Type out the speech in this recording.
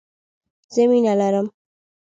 زه مينه لرم